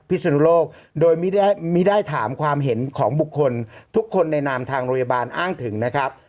ศนุโลกโดยไม่ได้มีได้ถามความเห็นของบุคคลทุกคนในนามทางโรงพยาบาลอ้างถึงนะครับ